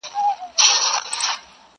اسمان راڅخه اخلي امتحان څه به کوو؟٫